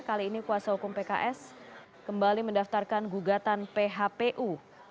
kali ini kuasa hukum pks kembali mendaftarkan gugatan phpu